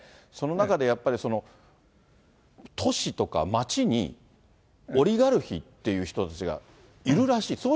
その中でやっぱり、都市とか街に、オリガルヒっていう人たちがいるらしい。